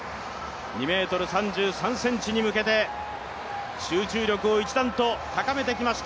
２ｍ３３ｃｍに向けて、集中力を一段と高めてきました、